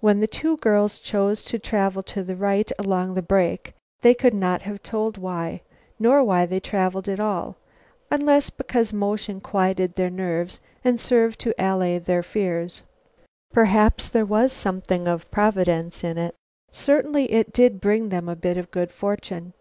Why the two girls chose to travel to the right along the break, they could not have told, nor why they traveled at all, unless because motion quieted their nerves and served to allay their fears. Perhaps there was something of Providence in it. Certainly it did bring them a bit of good fortune.